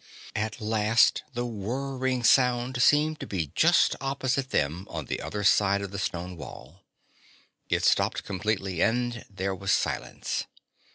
At last the whirring noise seemed to be just opposite them on the other side of the stone wall. It stopped completely and there was silence.